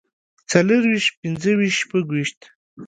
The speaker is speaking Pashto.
څلورويشت پنځويشت شپږويشت